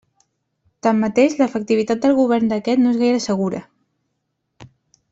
Tanmateix, l'efectivitat del govern d'aquest no és gaire segura.